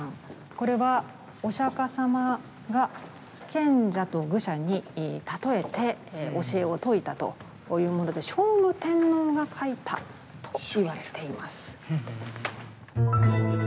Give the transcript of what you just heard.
これはお釈迦様が賢者と愚者にたとえて教えを説いたというもので聖武天皇が書いたといわれています。